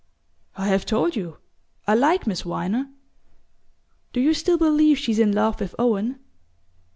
"I have told you I like Miss Viner." "Do you still believe she's in love with Owen?"